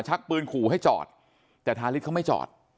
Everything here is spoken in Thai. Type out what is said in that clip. ชักปืนขู่ให้จอดแต่ทาริสเขาไม่จอด